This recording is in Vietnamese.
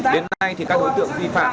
đến nay thì các đối tượng vi phạm